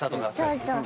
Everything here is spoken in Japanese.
そうそう。